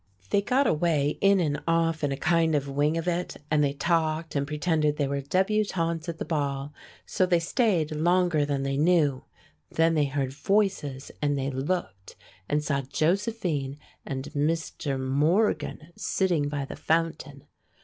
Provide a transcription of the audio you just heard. They got away in and off in a kind of wing of it, and they talked and pretended they were débutantes at the ball, so they stayed longer than they knew. Then they heard voices, and they looked and saw Josephine and Mr. Morgan sitting by the fountain.